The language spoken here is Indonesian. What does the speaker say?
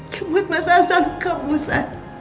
dia buat masalah selalu kamu sa